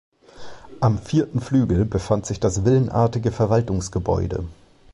Am vierten Flügel befand sich das villenartige Verwaltungsgebäude.